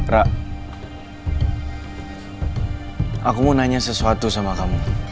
rak aku mau nanya sesuatu sama kamu